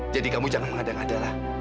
jadi kamu jangan mengandang adalah